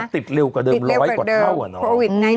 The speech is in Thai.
ติดเร็วกว่าเดิม๑๐๐กว่าเท่า